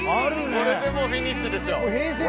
これでもうフィニッシュでしょ。